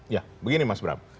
ya begini mas bram